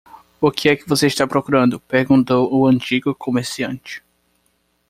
"O que é que você está procurando?" perguntou o antigo comerciante.